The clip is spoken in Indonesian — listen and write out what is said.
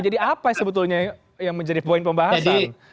jadi apa sebetulnya yang menjadi point pembahasan